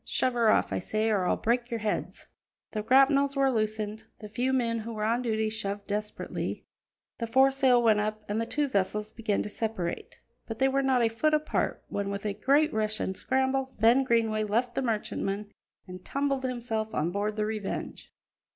Shove her off, I say, or I'll break your heads." The grapnels were loosened; the few men who were on duty shoved desperately; the foresail went up, and the two vessels began to separate. But they were not a foot apart when, with a great rush and scramble, Ben Greenway left the merchantman and tumbled himself on board the Revenge.